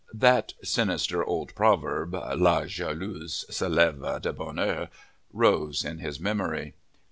That sinister old proverb, La jalouse se lève de bonne heure, rose in his memory.